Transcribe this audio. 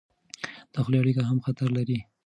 د خولې اړیکه هم خطر لري.